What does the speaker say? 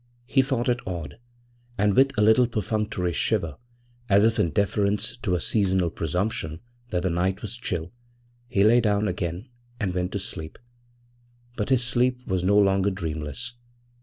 He thought it odd, and with a little perfunctory shiver, as if in deference to a seasonal presumption that the night was chill, he lay down again and went to sleep. But his sleep was no longer dreamless.